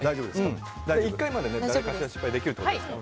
１回まで誰かしら失敗できるってことですから。